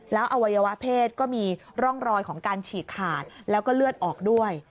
แล้วอวัยวะเพศก็มีร่องรอยของการฉีกขาดแล้วก็เลือดออกด้วย